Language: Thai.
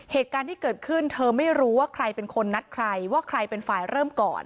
เหตุการณ์ที่เกิดขึ้นเธอไม่รู้ว่าใครเป็นคนนัดใครว่าใครเป็นฝ่ายเริ่มก่อน